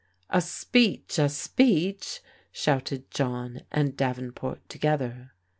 "A speech, a speech!" shouted John and Davenport together.